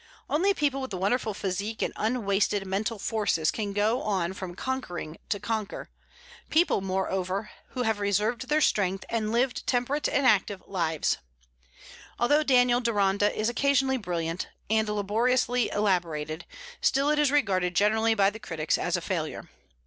Only people with a wonderful physique and unwasted mental forces can go on from conquering to conquer, people, moreover, who have reserved their strength, and lived temperate and active lives. Although "Daniel Deronda" is occasionally brilliant, and laboriously elaborated, still it is regarded generally by the critics as a failure.